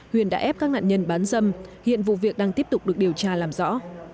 huyền đã ép các nạn nhân bán dâm hiện vụ việc đang tiếp tục được điều tra làm rõ